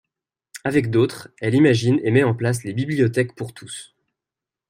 Avec d'autres, elle imagine et met en place les Bibliothèques pour tous.